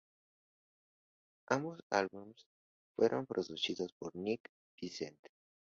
Ambos álbumes fueron producidos por Nick Vincent.